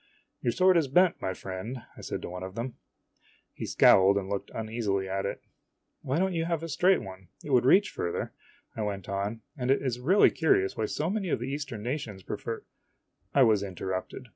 " Your sword is bent, my friend," I said to one of them. He scowled and looked uneasily at it. THE ASTROLOGER S NIECE MARRIES 99 " Why don't you have a straight one ? it would reach farther," I went on, "and it is really curious why so many of the Eastern na tions prefer I was interrupted.